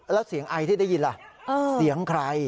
แล้วเสียงไอที่ได้ยินล่ะเสียงใคร